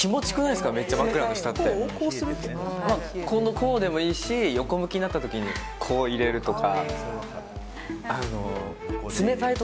こうでもいいし横向きになった時に入れるとか。